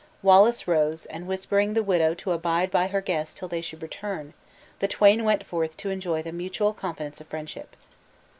Wallace rose; and whispering the widow to abide by her guest till they should return, the twain went forth to enjoy the mutual confidence of friendship.